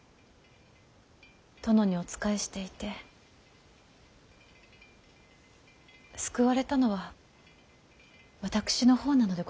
殿にお仕えしていて救われたのは私の方なのでございます。